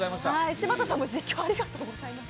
柴田さんも実況ありがとうございました。